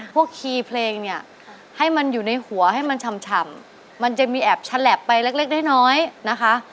คีย์เพลงเนี่ยให้มันอยู่ในหัวให้มันชำมันจะมีแอบฉลับไปเล็กน้อยนะคะ